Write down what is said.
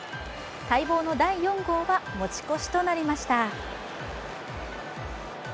待望の第４号は持ち越しとなりました。